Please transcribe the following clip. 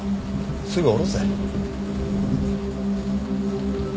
すぐ堕ろせ。